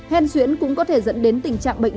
hen xuyễn cũng có thể dẫn đến tình trạng bệnh